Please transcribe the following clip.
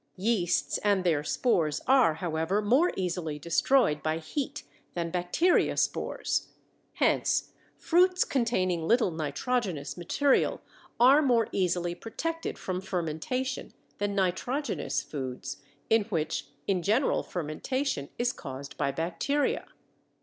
Yeasts and their spores are, however, more easily destroyed by heat than bacteria spores. Hence, fruits containing little nitrogenous material are more easily protected from fermentation than nitrogenous foods in which in general fermentation is caused by bacteria.